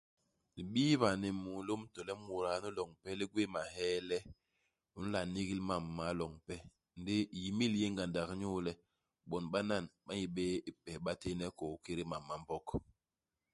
Libiiba ni mulôm to le muda nu loñ ipe, li gwéé mahee le, u nla nigil mam ma loñ ipe. Ndi yimil i yé ngandak inyu le, bon banan ba n'yi bé ipes ba tééne kôô ikédé mam ma Mbog.